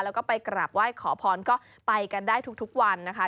แล้วก็ไปกราบไหว้ขอพรก็ไปกันได้ทุกวันนะคะ